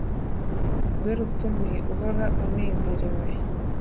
rwe rutume uhora unezerewe